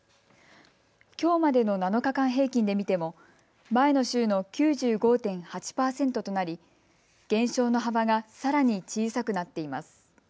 きょうまでの７日間平均で見ても前の週の９５．８％となり減少の幅がさらに小さくなっています。